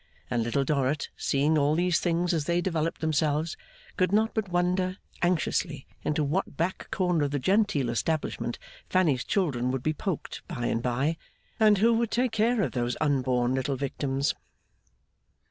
And Little Dorrit, seeing all these things as they developed themselves, could not but wonder, anxiously, into what back corner of the genteel establishment Fanny's children would be poked by and by, and who would take care of those unborn little victims.